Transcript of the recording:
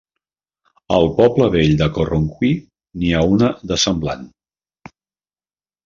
Al poble vell de Corroncui n'hi ha una de semblant.